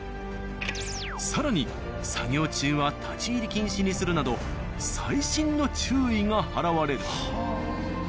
更に作業中は立ち入り禁止にするなど細心の注意が払われる。